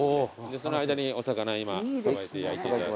その間にお魚今さばいて焼いていただく。